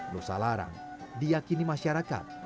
nusa larang diakini masyarakat